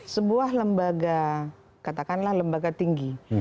sebuah lembaga katakanlah lembaga tinggi